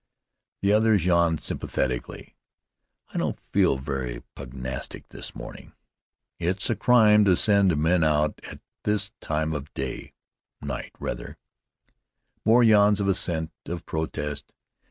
The others yawned sympathetically. "I don't feel very pugnastic this morning." "It's a crime to send men out at this time of day night, rather." More yawns of assent, of protest.